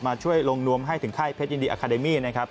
ช่วยลงนวมให้ถึงค่ายเพชรยินดีอาคาเดมี่นะครับ